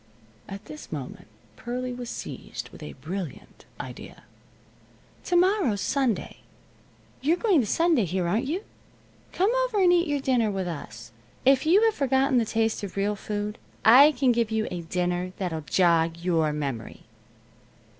At this moment Pearlie was seized with a brilliant idea. "To morrow's Sunday. You're going to Sunday here, aren't you? Come over and eat your dinner with us. If you have forgotten the taste of real food, I can give you a dinner that'll jog your memory."